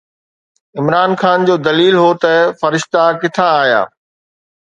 عمران خان جو دليل هو ته فرشتا ڪٿان آيا؟